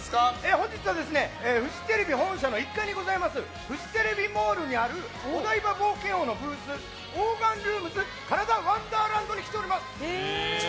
本日はフジテレビ本社の１階ございますフジテレビモールにあるお台場冒険王のブースオーガンルームズカラダワンダーランドに来ております。